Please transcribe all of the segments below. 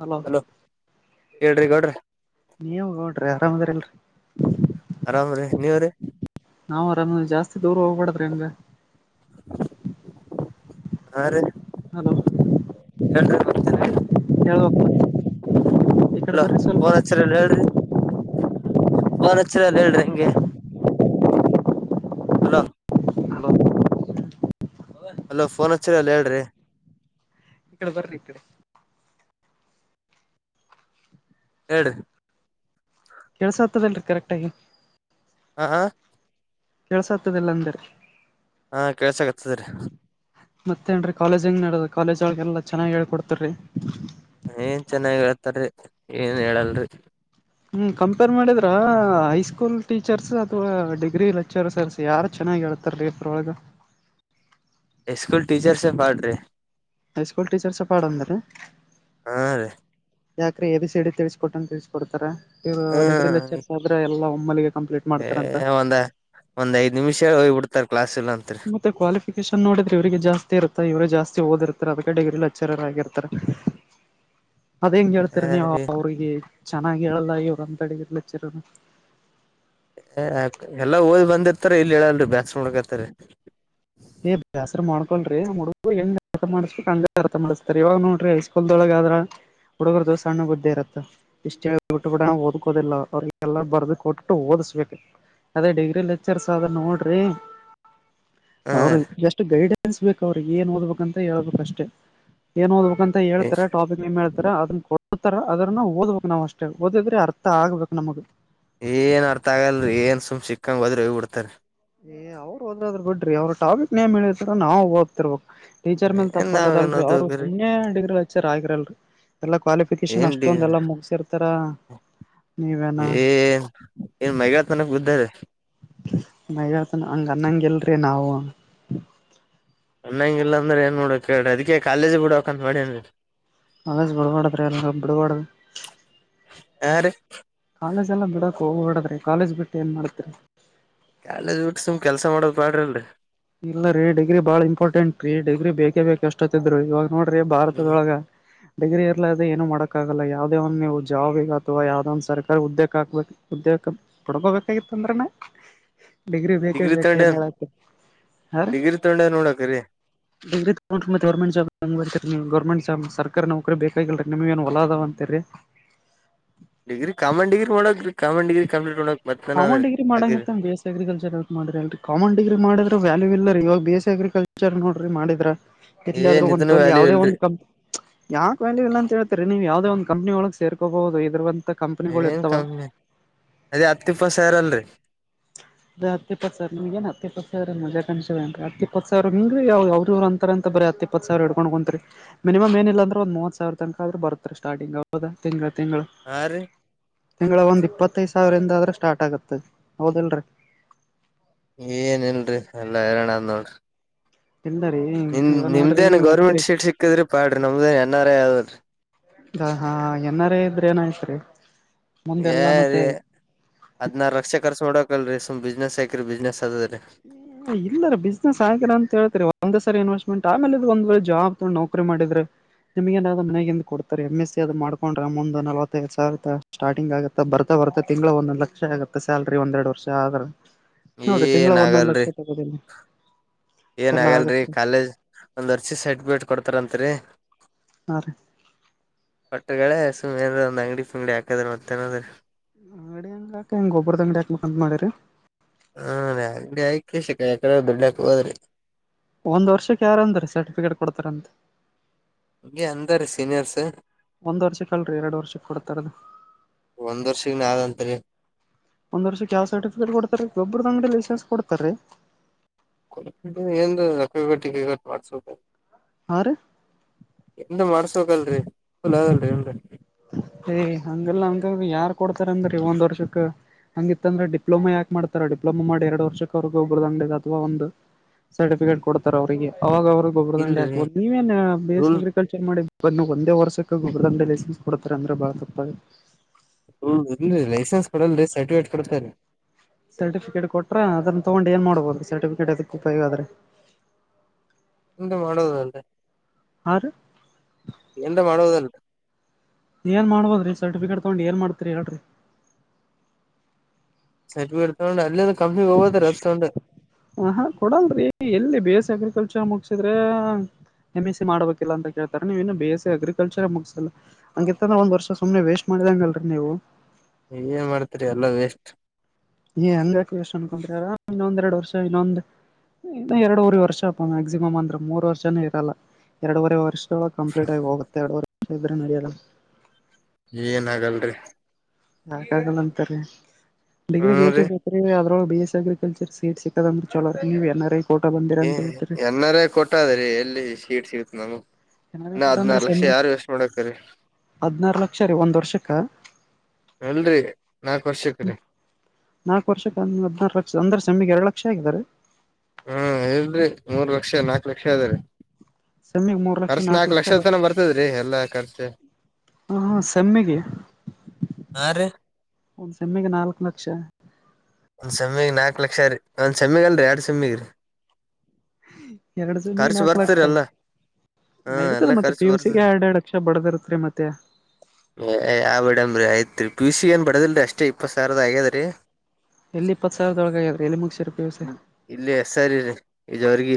Hello ಹೇಳ್ರಿ ಗೌಡ್ರಿ ನೀವು ಹೌಡ್ರಿ ಆರಾಮ್ ಅದ್ರಲ್ರಿ ಆರಾಮ್ರೀ ನೀವ್ರೀ ನಾವ್ರ ಜಾಸ್ತಿ ದೂರ ಹೋಗ್ಬಾಡಾದ್ರ ನಿಮಗೆ ಹಾ ರೀ ಹಲೋ [unintelligible] ಹಳ ಅಲೋ ಫೋನ್ ಹಚ್ಚರಿಲ್ಲ ಹೇಳ್ರಿ ಫೋನ್ ಹಚ್ಚರಲ್ಲ ಹೇಳ್ರಿ ಹೆಂಗೆ ಹಲೋ ಹಲೋ ಅಲೋ ಫೋನ್ ಹಚ್ಚರಿ ಅಲ್ಲ ಹೇಳ್ರಿ ಈ ಕಡೆ ಬರ್ಲಿದ್ದೀರ ಹೇಳ್ರಿ ಕೆಳ್ಸ ಆತದಲ್ರಿ ಕರೆಕ್ಟ ಆಗಿ ಹ ಹ ಕೆಳ್ಸ ಆಗ್ತದಲ್ಲ ಅಂದ್ರ ಹಾ ಕೇಳ್ಸಕತ್ತದ್ರಿ ಮತ್ತೇ ನ್ರಿ ಕಾಲೇಜ್ ಹೆಂಗ ನಡದ ಕಾಲೇಜ್ಳಗೆಲ್ಲ ಚೆನ್ನಾಗಿ ಹೇಳ್ಕೊಡ್ತರಿ ಏನ್ ಚೆನ್ನಾಗಿ ಹೇಳ್ತಾರರಿ ಏನ್ ಹೇಳಲ್ರಿ ಹ್ಮ್ ಕಂಪೇರ್ ಮಾಡಿದ್ರ ಹೈಸ್ಕೂಲ್ ಟೀಚರ್ಸ್ ಅಥವಾ ಡಿಗ್ರಿ ಲೆಕ್ಚರ್ ಸರ್ಸ್ ಯಾರ ಚೆನ್ನಾಗ ಹ ಹೇಳ್ತಾರ ರೀಫ್ರೊಳಗ ಸ್ಕಲ್ ಟೀಚರ್ಸ ಎ ಪಾರ್ಟ್ರ ಹೈ ಸ್ಕೂಲ್ ಟೀಚರ್ಸ್ ಪಾಡಂದ ರೀ ಹಾ ರೀ ಯಾಕ್ರೆ ಎ ಸಡಿ ತಿಳಿಸಕೊಟ್ಟನ್ ತಿಳಿಸಕೊಡ್ತಾರೆ ಇವ್ರು ಡಿಗ್ರಿ ಹ್ಮ ಲೆಕ್ಚರ್ಸ್ ಆದ್ರ ಎಲ್ಲಾ ಒಮ್ಮಿಗೆ ಏ ಒಂದ ಒಂದ್ ಐದ್ ನಿಮಿಷ ಹೋಗ್ಬ ಬಿಡ್ತಾರ ಕ್ಲಾಸ್ ಇಲ್ಲ ಅಂತ್ರಿ ಮತ್ತೆ ಕ್ವಾಲಿಫಿಕೇಶನ್ ನೋದ್ರೆ ಇವ್ರರಿಗೆ ಜಾಸ್ತಿ ಇರುತ್ತೆ ಇವರು ಜಾಸ್ತಿ ಓದಿರ್ತಾರ ಅದಕ್ಕೆ ಡಿಗ್ರಿಲಿ ಹಚ್ಚರರ ಆಗಿರ್ತಾರ ಅದ್ ಹೆಂಗ್ ಹೇಳ್ತೀರಿ ನೀವು ಅವ್ರಿಗೆ ಚೆನ್ನಾಗಿ ಹೇಳಲ್ಲ ಇವ್ರಂತ ಅಡಿದಿರ್ಲಿ ಚಿರನು ಹ ಎಲ್ಲಾ ಓದ್ ಬಂದಿರ್ತಾರ ಇಲ್ಲಿ ಹೇಳಲ್ರಿ ಬ್ಯಾಕ್ಸ್ ನಕತರಿ ಏ್್ಯಸರ್ ಮಾಡ್ಕೊಲ್ರಿ ಆ ಹುಡುಗ ಹೆಂಗ ಅರ್ಥ ಮಾಡ್ಸ್ಕ್ ಹಂಗ ಅರ್ಥ ಮಾಡ್ಸ್ತರ್ ಇವಾಗ ನೋಡ್ರಿ ಐಸ್ಕೂಲ್ದೊಳಗೆ ಯಾದ್ರ ಹುಡುಗರ ದಿವಸ ಸಣ್ಣ ಬುದ್ದೆ ಇರತ್ತ ಇಷ್ಟೇ ಬಿ ಬಿಡ ದಕೋದಿಲ್ಲ ಅವ ಎಲ್ಲ ಬರ್ದು ಕೊಟ್ಟುಓದ ಅದೇ ಡಿಗ್ರಿ ಲೆಚರ್ಸ್ ಆದ ನೋಡ್ರಿ ಹಾ ಅವ್ರ ಜಸ್ಟ್ ಗೈಡೆನ್ಸ್ ಬೇಕಕ್ ಅವ್ರಿಗೆ ಏನ್ ಓದ್ಬೇಕಂತ ಹೇಳ್ಬೇಕ ಅಷ್ಟೇ ಏನ್ ಓದ್ಬೇಕು ಅಂತ ಹೇತಾರೆ ಟಾಪಿಕ್ ಎಮ ಹೇಳ್ತಾರೆ ಅದನ್ನ ಕೊ ನತರ ಅದ್ರನ್ನ ಓದ್ಬೇಕುಕ್ ನಾವ್ ಅಷ್ಟೇ ಓದಿದ್ರೆ ಅರ್ಥ ಆಗ್ಬೇಕಕ್ ನಮಗ್ ಏನ್ ಅರ್ಥ ಆಗಲ್ ಏನ್ ಸುಮ್ ಸಿಕ್ಕಂಗಗೆ ಹೋದ್ರೆ ಹೋಗ ಬಿಡ್ತಾರ ಏ್ರು ಹದ್ರರು ಬಿಡ್ರಿ ಅವ್ರ ಟಾಪಿಕ್ ೇಮ ಹೇಳಿದತ ನಾವು ಹೋಗ್ತಿರ್ಬೇಕು ಟೀಚರ್ ಮೇಲ್ ಏನ್ ನಾವೇನ್ ತಪ್ಪಕದಲ್ರಿ ಅವ್ರು ಓದೋಗ್ರಿ ಸುಮ್ಮನೆ ಡಿಗ್ರಿ ವಚ್ಚಾರ ಆಗಿರಲ್ರಿ ಎಲ್ಲಾ ಕ್ವಾಲಿಫಿಕೇಶನ್ ಏನ್ ಅಷ್ಟೊಂದ ಎಲ್ಲಾ ಮುಗಸಿರ್ತಾರ ನೀವೇನ ಏ ಏನ್ ಮೈಗಾ ಮನಕ್ ಬುದ್ಧಾರೆ ನಯಗ ತ ನ ಗನ್ನಂಗಲ್ಲರೆ ನವು ಚಣ್ಣಂಗಿಲ್ಲಾ ಅಂದ್ರ ಏನ್ ಮಾಡಡಬೇಕಕ್ ಕಿ ಅದಿ ಕಾಲೇಜಿ ಬಿಡಬೇಕಕ್ ಅ ಮಾಡ ಏನ್ರಿ ಕಾಲೇಜ್ ಬಿಡಗಡ್ರೆ ಎಲ್ಲ ಬಿಡಗಡದು ಹಾ ರೀ ಕಾಲಜ ಎಲ್ಲ ಬಿಡಕ ಹ ಓಡದ್ರೆ ಕಾಲೇಜ್ ಬಿಟ್ಟೆ ಏನ್ ಮಾಡ್ತರಿ ಕಾಾಲೇಜ್ ಬಿಟ್ಟ ಸುಮ್ ಕೆಲ್ಸ ಮಾಡೋಕ್ ಬೇಡ್ರಿಲ್ರರಿ ಇಲ್ಲ ರೀ ಡಿಗ್ರಿ ಬಾಳ ಇಂಪಾರ್ಟೆಂಟ್ ರೀ ಡಿಗ್ರಿ ಬೇಕೇ ಬೇಕ ಅಷ್ಟೊತ್ತಿದ್ರು ಇವಾಗ ನೋಡ್ರಿ ಹ್ಮ್ ಭಾರತದೊಳ ಡಿಗ್ರಿ ್ರೆ ಏನು ಮಾಡಕ್ ಆಗಲ್ಲ ಯಾವ್ದೇ ಒಂದ್ ನೀವು ಜಾಬ್ಗ ಅಥವಾ ಯಾವ್ದ ಒಂದ್ ಸರ್ಕಾರ ಉದ್ಯೆಕ್ ಹಕ್ಬೇಕು ಉದ್ದ ಪುಡ್ಕೋಬೇಕಾಗಿತ್ತ ಅಂದ್ರನ [inaudible] ಡಿಗ್ರಿ ಬೇಕೇ ಬೇಕು ಏನ್ ಹೇಳತ ಹಾರ ಡಿಗ್ರಿ ತಗೊಂಡೇನ್ ನೋಡಕ್ರಿ ಗರ್ಮಂಟ್ ಜಬ ಗೌರ್ಮೆಂಟ್ ಸರ್ಕಾರಿ ನೌಕರಿ ಬೇಕಾಗಿಲ್ರಿ ನಿಮ್ ಏನ್ ಒಲಾದಾವ್ ಅಂತರಿ ಕಮಂ ಡಿಗ್ರ ಕಂಪ್ೀಟ್ ಕಾಮ ಡಿಗ್ರಿ ಮಾಡಂಗತ್ತ ಬಸ್ ಅಗ್ರಿಕಲ್ಚರ್ ಮಾಡ್ರಿಲ್ರಿ ಕಾಮನ್ ಡಿಗ್ರಿ ಮಾಡಿದ್ರೆ ವ್ಯಾಲ್ಯೂ ಇಲ್ಲ ಇವಾಗ ಬಿ ಎಸ್ ಎ ಅಗ್ರಿಕಲ್ಚರ್ ನೋಡ್ರಿ ಮಾಡಿದ್ರ ಇಟ್ಲಿ ಆದ್ರೂ ಏನ್ ಇದನ್ನು ಒಂತ ವ್ಯಾಲ್ಯೂ ಯಾಾವದೇ ಇಲ್ರಿ ಒಂದು ಕಂ ಯಾಕ್ ವ್ಯಾಲ್ಯೂ ಇಲ್ಲ ಅಂತ ಹೇಳ್ತರಿ ನೀವು್ ಯಾವ್ದ ಒಂದು ಕಂಪನ ಒಳ ಸೇಕೋಬಹ ಇದ್ರ ಏನ್ ಕಮ್ಮಿ ಅದೇ ಹತ್ತುಪ್ಪ ಸಾರಲ್ರಿ ಅ ಹತ್ತಿಪ್ಪತ್ ಸಾವರ ನಿಮ್ ಏನು ಹತ್ತಪ್ಪತ್ ಸಾವಿರ ಮಜಾ ಕಾಣ್ಿವೇ ಅಂತ ಅತ್ತಪ್ಪತ್ ಸಾವರಂಗಾವ ಅವ್ರರುವ್ ಅಂತಾರ ಅಂತ ಬರ ಇಪ್ಪತ್ ಸಾವರಡ್ಕೊಂಡ ಕುಂತತ್ರಿ ಮಿನಿಮ್ ಏನಿಲ್ಲ ಅಂದ್ರ ಒಂದ ಮೂವ ಸಾವಿರ ತನಕ ಆದ್ರ ಬರ್ತ್ೀ ಸ್ಟಾರ್ಟಿಂಗ್ದ ಹಾ ರಿ ತಿಂಗಳ ಒಂದ್ ಇಪ್ಪತ್ತೈದು ಸಾವಿರಿಂದ ಆದ್ರೆ ಸ್ಟಾರ್ಟ್ ಆಗತ್ತ ಹೌದಲ್ರಿ ಏನ ಇಲ್ರಿ ಎಲ್ಲಾ ಹೈರಣ್ ನೋಡ್ರಿ ಇಲ್ಲ ರೀ ನಿಮ್ ಇವ ನೋಡ್ರಿ ನಿಮ್ದೇನ್ ನೀವ್ ಅಂತ್ರಿ ಗೌರ್ಮೆಂಟ್ ಶೀಟ್ ಸಿಕ್ಕಿದ್ರಿ ಪಾಡ್ರಿಮ್ದೇನ್ ಎನ್ ಆರ್ ಐ ಆದದ್ರೀ ಅ ಹಾ ಎನ ಆರ್ ಐ ಇದ್ರೆ ಏನಾಯ್ತ್ರಿ ಏ ಮುಂದೆಲ್ಲಾ ರೀ ಮತ್ತೆ ಅದ್ನಾರ ರಕ್ಷೆ ಕರ್ಸ ಮಾಡೋಡಕಲ್ರಿ ಸುಮ್ ಬಿಸ್ನೆಸ್ ಹಾಕಿರಿ ಬಿಸ್ನೆಸ್ ಅದದರಿ [inaudible] ಇಲ್ಲರ ಬಿಸ್ನೆಸ್ ಆಗ್ಯರ ಅಂತೇತರಿ ಒಂದ್ ಸರಿ ಇನ್ವೆಸ್ಟ್ಮೆಂಟ್ ಆೇ ಇದ್ ಒಂದ್ೇಳೆ ಜಾಬ್ ತಗೊಂಡಿ ನೌಕರಿ ಮಾಡಿದ್ರೆ ನಿಮಗನಾದ ಮ ಕೊಡ್ತಾರೆ ಎಮ್ ಎಸ್ ಸಿ ಅದು ಮಾಡ್ಕೊಂಡ್ರೆ ಮುಂದ ನವತ್ತೈದ ಸಾವಿರ ಸ್ಟಾರ್ಟಿಂಗ್ ಆಗುತ್ತ ಬರ್ತ ತ್ತೆ ತಿಂಗಳು ಒಂದೊಂದು ಲಕ್ಷ ಆಗುತ್ತೆ ಸ್ಯಾಲ್ರಿ ಒಂದ್ೆರಡು ವರ್ಷ ಆದ್ರೆ ಏನ್ ಒಂದೊಂದಂದು ಲಕ್ಷ ಆಗಲ್ರಿ ತಗೋದಿಲ್ಲ ಏನ್ ಆಗಲ್ರರಿ ಕಾಲೇಜ್ ಒಂದ್ ವರ್ಷಿ ಸರ್ಟಿಫಿಕೇಟ್ ಕೊಡ್ತಾರತ್ರಿ ಹಾ ರೀ ಕಟ್ಟಗಳ ಸುಮ ಒಂದು ಅಂಗಡಿ ಪಿಂಗಡಿ ಹಾಕದ್ರ ಮತ್ತದ ಅಂಗಡಿ ಹೆಂಗಾಕ ಹೆಂಗ ಗೊಬ್ಬರದ ಅಂಗಡಿ ಹಾಕ್ ಅಂದ್ ಮಾಡ್ಯರಿ ಹಾ ಅಂಗಡಿ ಹಾಕೆಸಿ ಯಕಡೆ ದುಡ್ಡಕ್ಕೆ ಹೋದ್ರಿ ಒಂದ್ ವರ್ಷಕ್ಕೆ ಯಾರ ಅಂದ್ರೀ ಸರ್ಟಿಫಿಕೇಟ್ ಕೊಡ್ತಾರ ಅಂತ ಹಗೆ ಅಂದ ರೀ ಸೀನಿಯರ್ಸ್ ಒಂದ್ ವರ್ಷಕ್ಕೆ ಅಲ್ರರಿ ಎರಡು ವರ್ಷಕ್ಕೆ ಕೊಡ್ತಾರದು ಒಂದ್ ವರ್ಷಗ್ ನಾದಂತ್ರಿ ಒಂದ್ ವರ್ಷ ಕ ಸರ್ಟಿಫಿಕೇಟ್ ಕೊಡ್ತಾರೆ ಒಬ್ಬ್ರ ಅಂಗಡಲ್ಲಿ ಕೇನ್ಸ್ ಕೊಡ್ತಾರೀ ಕೊ ಏನ್ ರಗಟ್ಟಿ ಕೈಗಟ್ಟ ಮಾಡ್ಸ ಹಾ ರೀ ಎಂದ ಮಾಡ್ಸ್ಬೇಕಲ್ರಿ ಫಲ್ ಅದಲ್ರಿ ಎನ್ ಏಯ್ ಹಂಗೆಲ್ಲ ಹಂಗ ಯಾರ್ ಕೊಡ್ತಾರ ಅಂದ್ರಿ ಒಂದ್ ವರ್ಷಕ್ಕ ಹಂಗಿತ್ತಂದ್ರೆ ಡಿಪ್ಲೋಮಾ ಯಾಕೆ ಮಾಡ್ತಾರೆ ಡಿಪ್ಲೋಮಾ ಮಾಡಿ ಎರಡ್ ವರ್ಷಕ್ವಗ ಒಬ್ಬ್ರದ ಅಂಗ ಅಥವಾ ಒಂದು ಸರ್ಟಿಫಿಕೇಟ್ ಕೊಡ್ತಾರೆ ಅವ್ರಿಗೆ ಅವಾಗ ಅವ ಗೊಬ್ಬ ದಂಡೆ ಇಲ್ರಿ ಹಾಕ್ಬಹುದು ನೀವೇಏನ್ ಬೇಸ್ ರೂಲ್ ಅ್ರಿಕಲ್ಚರ್ ಮಾಡಿ ಬಂದು ಒಂದೇ ವರ್ಷಕ್ಕೆ ಗೊಬರ ದಂಡಿ ಲೈಸೆನ್ಸ್ ಕೊಡ್ತಾರೆ ಅಂದರೆ ಭಾಳ ತಪ್ಪಆಗತ್ ಹ್ಮ ಇರಿ ಲೈಸೆನ್ಸ್ ಕೊಡಲ್ರಿ ಸರ್ಟಿಫಿಕೇಟ್ ಕೊಡ್ತರಿ ಸರ್ಟಿಫಿಕೇಟ್ ಕೊಟ್ರ ಅದನ್ನ ತಗೊಂಡು ಏನ್ ಮಾಡ್ಬೋದು ಸರ್ಟಿಫಿಕೇಟ್ ಅದಕ್ಕೆ ಉಪಯೋಗ ಆದ್ರೆ [inaudible] ಎ ಮಾಡುದಲ್ ಹಾ ರೀ ಎಂತ ಮಾಡೋದಲ್ ಏನ್ ಮಾಡ್ಬೋದ್ರಿ ಸರ್ಟಿಫಿಕೇಟ್ ತಗೊಂಡು ಏನ್ ಮಾಡ್ತರಿ ಹೇಳ್ರಿ ಸಟರ್ಫೀಡ್ತೊಂಡ ಅಲ್ಲೆ ಹ ಹಾ ಕೊಡಲ್ರಿ ಎಲ್ಲಿ ಬೇಸ್ ಅಗ್ರಿಕಲ್ರ್ ಹುಚ ಮುಗಸಿದ್ರೆ ಎಂ ಎಸ್ ಸಿ ಮಾಡ್ಬೇಕಿಲ್ಲ ಅಂತ ಕೇಳ್ತ ನೀವೇ ಬಿ ಎಸ್ ಎ ಅ್ರಿಕಲ್ಚರ್ ಮುಗಸಿಲ್ಲ ಹಂಗಿಂತಂದ್ರ ಒಂದ್ರ್ ಸು್ನೆ ವೇಸ್ಟ್ ಮಾಡಿ ದಂಗಲ್ರಿ ನೀವು ಏನ್ ಮಾಡ್ತರಿ ಎಲ್ಲಾ ವೇಸ್ಟ್ ಏ ಹೆಂಗ ಅನ್ಕೊಂಡ್ರಾರ ಇನ್ನೊಂದ್ೆರಡ್ ವರ್ಷ ಇನ್ನೊಂದ ಇ ಎರಡೂವರೆ ವರ್ಷ ಮ್ಯಾಕ್ಸಿಮಮ್ ಅಂದ್ರೆ ಮೂರು ವರ್ಷನ ಇರಲ್ಲ ಎರಡೂವರೆ ವರ್ಷ ಕಂಪ್ಲೀಟ್ ಆಗಿ ಹೋಗುತ್ತೆ ಎರಡವರೆ ನಿಮಿಷ ಇದ್ರೆ ನಡೆಯೋಲ್ಲ ಏನ ಆಗಲ್ರಿ ಯಾಾಗಲ್ಲಂತರಿೀ ಡಿಗ್ರಿ ಹ್ಮ್ ಬೇಕೆ ರೀ ಬೇಕ್ರೀ ಅದ್ರ ಬಿೇಎಸ್ ಅಗ್ರಿಕಲ್ಚರ್ ಸೇಟ್ಸ್ ಸಿ ಚ್ಹೋಲೋ ರಿ ಎನ ಆರ್ ಐ ಕೋಟ ಬಂದಿರ ಏ ಅಂತ ಹೇಳ್ತೀರಿ ಎನ್ನಾರ ಕೊಟ್ಟ ಅದ್ರೀ ಎಲ್ಲಿ ಶೀಡ್ ಸಿಗತ್ ನಮಗೆ ಚೆನ್ನಾಗಡ ಅಂದ್ರೆ ಸ ಹದ್ನಾರು ಲಕ್ಷ ರೀ ಒಂದ್ ವರ್ಷಕ್ಕ ಅಲ್ರರಿ ನಾಕ್ ವರ್ಷಕ್ರೀ ನಾಕ ವರ್ಷ ಕ ಹಾದ್ನರು ಲಕ್ಷ ಅಂದ ನಮಗೆ ಎರಡು ಲಕ್ಷ ಆಗಿದ್ದಾರೆ. ಹ್ಮ್ ಇಲ್ರೀ ಮೂರ್ ಲಕ್ಷ ನಾಕು ಲಕ್ಷ ಅದ್ರರಿ. ಸೆಮ್ಮಿಗೆ ಮೂರು ಲಕ್ಷ ಖರ್ಚ ನಾಲ್ಕು ನಾಕು ಲಕ್ಷ ಲಕ್ಷದ ಬರ್ ತನ ಬರ್ತದ್ರಿ ಎಲ್ಲಾ ಖರ್ಚು. ಹಾ ಸಮ್ಮಿಗೆ. ಹಾ ರೀ ಒಂದ್ ಸಮ್ಮಿಗೆ ನಾಲ್ಕು ಲಕ್ಷ. ಒಂದ್ ಸಮ್ಮಿಗ್ ನಾಲ್ಕು ಲಕ್ಷ ರೀ ಒಂದ್ ಸಮ್ಮಿಗ ಅಲ್ರರಿ ಎರಡ್ ಸಮ್ಮಿಗ್ರರಿ. ಎರಡು ಸೆಮಿಗೆ ನಾಕ ಲಕ್ಷ. ಬರ್ತರಿ ಎಲ್ಲಾ ಹಾ ನಡೀತದ ಎಲ್ಲಾ ಮತ್ತೆ ಖರ್ಚು ಪಿ ಬರ್ತದ ಯುಸಿಗೆ ಎರಡ್ ಎರಡು ಲಕ್ಷ ಬಡದಿರ್ತ್ರಿ ಮತ್ತೆ ಯಾವ್ ಬೇಡಮ್ರರಿ ಆಯ್ತ್ ರರಿ ಪಿಯುಸಿ ಏನ್ ಬಡದಿಲ್ರಿ ಅಷ್ಟೇ ಇಪ್ಪತ್ ಸಾವಿದ ಆಗ್ಯದ ರೀ. ಎಲ್ಲಿ ಇಪ್ಪತ್ ಸಾವಿರದೊಳಗ ಆಗ್ಯಾದ್ರಿ ಎಲ್ಲಿ ಮುಗಸಿರಿ ಪಿ ಯು ಸಿ ಇಲ್ಲಿ ಸರಿ ರೀ ಈ ಜವರ್ಗಿ.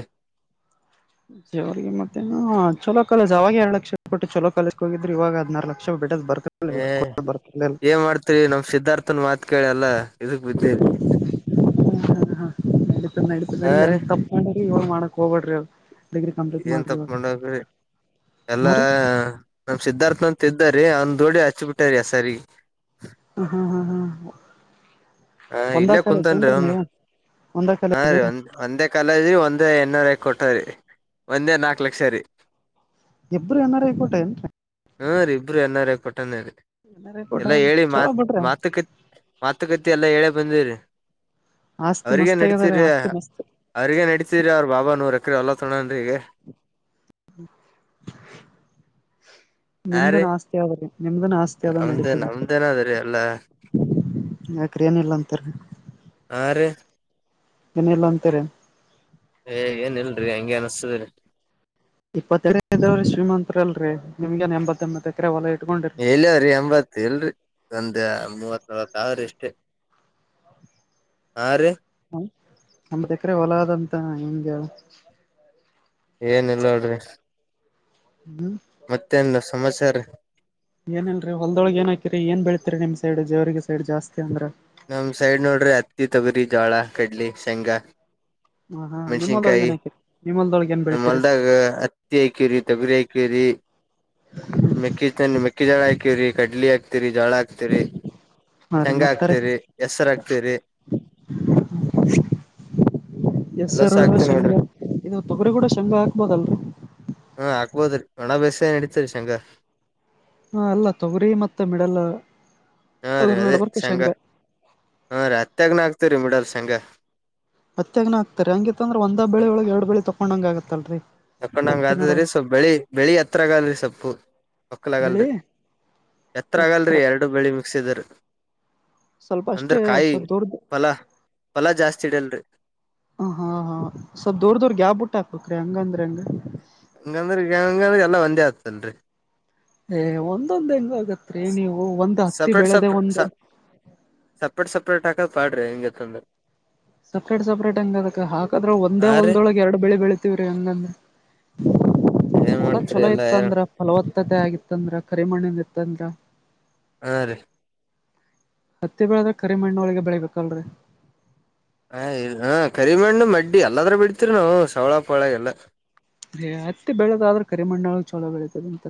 ಅವಿಗೆ ಮತ್ತೆ ಚಲೋ ಕಾಲೇಜ ಅವಾಗ ಎರಡ್ ಲಕ್ಷ ಕೊಟ್ಟು ಚಲೋ ಕಾಲೇಜ ಹೋಗಿದ್ರೆ ಇವಾಗ ಹದ್ನಾರು ಲಕ್ಷ ಬಿಟ್ಟು. ಹ ಏನ್ ಮಾಡ್ತರಿ ನಮ ಸಿದ್ಧಾರ್ಥನ್ ಮಾತ್ ಕೇಳಿಲ್ಲ. ಇದು ಬಿದೇಗುಲ್. ಹ ಹಾ ನಡಿತತ ನಡಿತ ಹಾ ಬರ್ಲ ರೀ ಅಂತ ತಪ್ಪ ಮಾಡ್ರಿ ಇವಳ ಮಾಡಕ್ ಹೋಗ್ಬೇಡ್ರಿ ಅ. ಏನ್ ತಪ್ಕೊಂಡೋಗ್ರಿ ಹಾ ಎಲ್ಲಾ ರೀ ನಮ್ ಸಿದ್ಧಾರ್ಥಂತ ಇದ್ದಾರ. ರೇ ಅಂದ ದೋಡಿ ಹಚ್ ಬಿಟ್ಟಾರ ಸರಿ. ಹ್ಮ. ಹ ಇಲ್ಲೇ ಕುಂತನ್ ರೀ ಒಂದು ಒಂದ ಹಾ ಕಾಲೇಜ್ ರೀ ಏನ್ರಿ ಒಂದೇ ಕಾಲಜ ಒಂದ. ಒಂದೇ ಏನಾರಾಗಿ ಕೊಟ್ಟಾರಿ ಒಂದೇ ನಾಕು ಲಕ್ಷ ರರಿ. ಎಬ್ರು ಎನ್ರ್ ಐಕೋಟೆ ನ್ [unintelligible] ಹ್ಮ್ ರಿಬ್ರು ಎನಾರ ಕೊಟ್ಟಾನೇ ಎನ್ ಆರ್ ಐ ಕೋಟ ಎಲ್ಲಾ ಹೇಳಿ ಚಲೋ ಮಾತ್ ಬಿಡ್ರಿ ಮಾತುಕ ಮಾತುಕ. ಎಲ್ಲ ಹೇಳೆ ಬಂದ್ರರಿ. ಆಸ್ತಿ ಅವ್ರಗ ಮಸ್ತ್ ನಡೀತೀರ ಆಗ್ಯದ್ರೀ ಆಸ್ತಿ ಮಸ್ತ್ ಅವ್ರಗ ನಡಿತೀರಿ ಅವ್ರ ಬಾಬಾ ನೂರ್ ಎಕರೆ ಹೊಲ್ಲ ತಗೋ ಹಾ ನಿಮ್ದ ರೀ ನಾಸ್ತಿ ಅವ. ನಿಮ್ದನ್ ಆಸ್ತಿ ಅದ ನಮ್ದೇ ನಡೀತದ ನಮ್ದೇನ ಅದ್ರಿ ಎಲ್ಲಾ ಯಕ್ರ ಏನ ಇಲ್ಲ ಅಂತಾರ. ಆರ್ ರೆ [unintelligible] ಏ ಏನ್ ಇಲ್ರಿ ಹಂಗೆ ಅನ್ಸ್ತದರಿ. ಇಪ್ಪತ್ತ ಎದವ್ರಿ ಶ್ರೀಮಂತತ್ರಲ್ರರಿ ನಿಮ್ಗನ್ ಎಂಬತ್ತ ಎಂಬತ್ತ ಎಕರೆ ಹೊಲ. ಇಟ್ಕೊಂಡಿರಿ ಎಲವರಿ ಎಂಬತ್ ಎಲ್ರಿ. ಒಂದೆ ಮೂವತ್ತು ನಲವತ್ತು ಅವರೇ ಇಷ್ಟೇ ಹ ರೀ. ನಮ್ಮತ್ ಎಕರೆ ಹೊಲದಂತ ಹೆಂಗೆ. ಏನಲ್ಲ ನೋಡ್ರಿ ಹ್ಮ ಮತ್ತೇಂದು ಸಮಾಚಾರ. ಏನಲ್ರಿ ಹೊಲ್ದೊಳ ಏ ಹಾಕಿರಿ ಏನ್ ಬೆಳ್ತತಿರಿ ನಿಮ್ ಸೈಡ್ ಜೇವರ್ಗ ಸೈಡ್ ಜಾಸ್ತಿ ಅಂದ್ರೆ. ನಮ ಸೈಡ್ ನೋಡ್ರಿ ಅಕ್ಕಿ ತಗರಿ ಜೋಳ ಕಡ್ಲಿ ಶೆಂಗಾ. ಹ ಹಾ ನಿಮ್ಮೊಳಗೆಏ ಹಕರಿ. ನ ಮಲ್ದಾಗ ಅತ್ತಿಯಾಕರಿ ತಗರಿ ಯಕರಿ. ಮೆಕ್ಕಿ ಚ ಮೆಕ್ಕಿ ಜಳ ಹಾಕೀವ್ರರಿ ಕಡ್ಲಿ ಹಾಕ್ತಿರಿ. ಜೋಳ ಹಾಕ್ತಿರಿ ಹಾ ರೀ ಶೆಂಗ ಮತ್ತರಿ ಹಾಕ್ತಿರಿ ಹೆಸರು ಹಾಕ್ತಿರಿ. [inaudible] ಎಲ್ಲಸ ಹೆಸರು ಹಾಕ್ತಿವಿ ನೋಡ್ರಿ ಶೇಂಗಾ ಇದು ತೊಗರಿ ಕೂಡ ಶೇಂಗ ಹಾಕ್ಬೋದಲ್ರರಿ. ಹಾ ಆಗ್ಬೋದ್ರೀ ಒಣಾಭ್ಯಾಸ ಏನ್ ನಡೀತರಿ ಶಂಗಾ. ಹಾ ಅಲ್ಲ ತೊಗರಿ ಮತ್ತ ಮಿಡಲ್ ಹಾ ರೀ ಅದ್ರ ಅದೇ ನಡಬರ್ಕ ಶಂಗ ಶೇಂಗ ಹಾ ರೀ ಅತ್ತಗನ ಆಗ್ತರಿ ಬಿಡಲ್ ಸಂಗಾ. ಅತ್ತಗ್ನ ಆಗ್ತಾರರಿ ಹಂಗಿ ಅಂದ್ರೆ ಒಂದ ಬ ಬೆಳ ಒಳಗ್ ಎರಡ್ ಬೆಳಿ ತೊೊಂಡಂಗ ಆಗತ್ತಲ್ರರಿ. ತಕೊಂಡಂಗ ಹತ್ತಿ ನಡ ಆದ್ರಿ ಬೆಳಿ ಬೆಳಿ ಹತ್ರ ಆಗಲ್ರರಿ ಸೊಪ್ಪು ಹೊಕ್ಕಲ ಬೆಳಿ ಆಗಲ್ರಿ ಎತ್ರ ಆಗಲ್ರರಿ ಎರಡು ಬೆಳಿ ಮಿಕ್ಸಿದ್ರೀ. ಸ್ವಲ್ಪ ಅಂದ್ರ ಅಷ್ಟೇ ಕಾಯಿ ಸ್ವಲ್ಪ ದೊಡ್ದ ಫಲ ಫಲ ಜಾಸ್ತಿ ಇಡಲ್ರಿ. ಹ ಹಾ ಹಾ ಸ್ವಪ್ ದುರ್ ದುರ್ ಗ್ಯಾಪ್ ಬುಟ್ ಹಾಕ್ಬೇಕ್ರೀ ಹಂಗಂದ್ರ ಹಂಗ. ಹಂಗಂದ್ರ ಹಿಗೆಂಗ ಎಲ್ಲ ಒಂದ ಆತಲ್ರಿ. ಏ ಒಂದೊಂದ್ ಹೆಂಗ್ ಆಗತ್ರಿ ನೀವು ಒಂದ ಹತ್ತಿ ಸಪ್ರೇಟ್ ಬೆಳೆದ ಒಂದ. [unintelligible] ತಂದ. ಸಪ್ರೇಟ್ ಸಪ್ರೇಟ್ ಹಂಗ್ ಅದಕ್ ಹಾಕದ್ರ ಒಂದೇ ಹಾ ರೀ ಒಲ್ದೊಳಗ ಎರ್ಡ್ ಬೆಳಿ ಬೆಳತಿವ್ರೀ ಹಂಗಂದ. [inaudible] ಓದೋಕ್ ಮಾಡ್ತರಿ ಚಲೋ ಎಲ್ಲಾ ಇತ್ತ ಅಂದ್ರ ಫಲವತ್ತತೆ ಆಗಿತ್ತಂದ್ರ ಕರಿಮಣನ್ ಇತ್ತಂದ್ರ. ಹಾ ರಿ ಹತ್ತಿ ಬೆಳೆದ್ರೆ ಕರಿಮಣ್ಣೊಳಗೆ ಬೆಳಿಬೇಕಲ್ರಿ. ಹ ಇ ಹಾ ಕರಿಮಣ್ಣ ಮಡ್ಡಿ ಎಲ್ಲಾದ್ರ ಬಿಡ್ತಿರ್ ನಾವು ಸವ್ಳ ಪಳ ಎಲ್ಲ. ರೇ ಹತ್ತಿ ಬೆಳದ ಆದ್ರೆ ಕರಿಮನ್ನೊಳಗ ಚಲೋ ಬೆಳಿತದಂತ.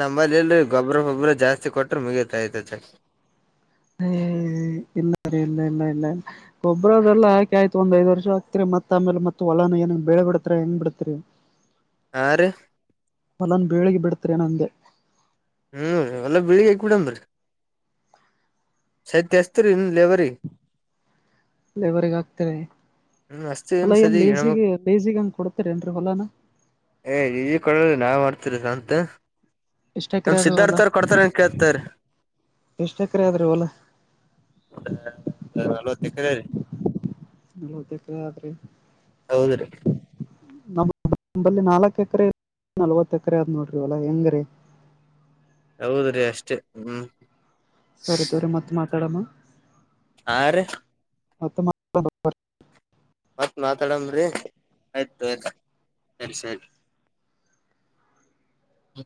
ನಂಬಲ್ಲಿಲ್ಲಿ ಗೊಬ್ರ ಪೊಬ್ಬ್ರ ಜಾಸ್ತಿ ಕೊಟ್ರೆ ಮುಗಿತೈತ ಚ. ಹ ಇಲ್ಲ ಸರಿ ಇಲ್ಲ ಇಲ್ಲ ಇಲ್ಲ ಇಲ್ಲ ಒಬ್ರದೆಲ್ಲಾಕೆ ಆಯ್ತ. ಒಂದ್ ಐದ್ ವರ್ಷ ಆಗ್ತತಿರಿ ಮತ್ ಆಮೇಲೆ ಮತ್ತ ಹೊಲನ ಏನ ಬೆಳೆ ಬಿಡ್ತರಿ ಹೆಂಗ್ ಬಿಡ್ತರಿ. ಹ ರಿ ಪಲಾನ್ ಬಿಳಿಗ್ ಬಿಡ್ತರಿ ನಂದೆ. ಹ್ಮ ಹೊಲ ಬೆಳ್ಗಿ ಕುಡನ್ರಿ. ಸೆತ್ಯಸ್ತ್ರರಿನ್ ಲೇವರಿ. ಲೇವರ್ಗ ಹಾಕ್ತಾರೆ. ಹ್ಮ್ ಅಸ್ತಿ ಅಲಾ ಏನ್ ಸದಿ ಹೆಣ್ಮಕ್ ಲೇಸಿಗೆ ಲೇಜಿಗ್ ಏನ್ ಕೊಡ್ತಾರ್ ಏನ್ರೀ ಹೊಲಾನ. ಏ ಇ ಕೊಳನೆ ನಾವ್ ಆಡ್ತಿರಿ ಸಂತ. ಎಷ್ಟ್ ನಮ್ ಎಕರೆ ಆದ್ರಿ ಸಿದ್ಧಾರ್ಥ ಹೊಲ ಅವ್ರ ಕೊಡ್ತಾರನ್ ಕೇಳ್ತಾರ್. ಎಷ್ಟ್ ಎಕರೆ ಆದ್ರಿ ಹೊಲ ಅ ಅ ನಲ್ವತ್ ಎಕ್ರೆ ರಿ. ಗೊತ್ತಿತು ಆದ್ರಿ. ಹೌದ್ರಿ ನಮ್ಮ ಮ್. ನಂಬಲಿ ನಾಲ್ಕ ಎಕ್ರೆ ಇ ನಲ್ವತ್ ಎಕ್ರಿ ಆತ್ ನೋಡ್ರಿ ವಲ ಹೆಂಗ್ರಿ. ಹೌದ್ರೀ ಅಷ್ಟೇ ಹ್ಮ್. ಸರಿ ತೋಗೊರಿ ಮತ್ ಮಾತಾಡಮ್ಮ. ಆ ರಿ ಮತ್ ಮಾ [unintelligible] ಮತ್ತ್ ಮಾತಾಡಮ್ರಿ ಆಯ್ತು ಆಯ್ತು ನೆಕ್ಸ್ ಟೈಮ್. ಹ